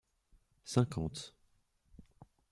Cinquante.